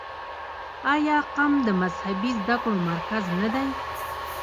آیا قم د مذهبي زده کړو مرکز نه دی؟